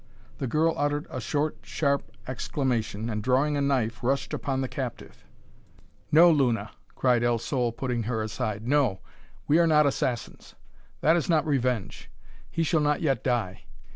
The girl uttered a short, sharp exclamation; and, drawing a knife, rushed upon the captive. "No, Luna!" cried El Sol, putting her aside; "no; we are not assassins. That is not revenge. He shall not yet die.